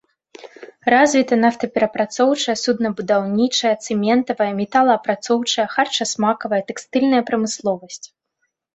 Развіта нафтаперапрацоўчая, суднабудаўнічая, цэментавая, металаапрацоўчая, харчасмакавая, тэкстыльная прамысловасць.